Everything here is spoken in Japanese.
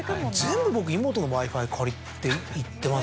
全部僕イモトのＷｉＦｉ借りて行ってますね。